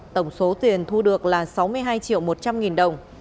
tổng số tiền thu được là sáu mươi hai triệu một trăm linh nghìn đồng